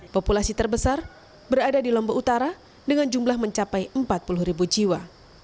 populasi terbesar berada di lombok utara dengan jumlah mencapai empat puluh ribu jiwa